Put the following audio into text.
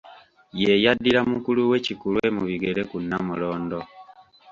Ye yaddira mukulu we Kikulwe mu bigere ku Nnamulondo.